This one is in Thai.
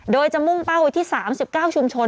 โดยจะมุ่งเป้าไว้ที่๓๙ชุมชน